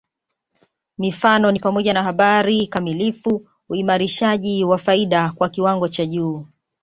Mifano ni pamoja na habari kamilifu uimarishaji wa faida kwa kiwango cha juu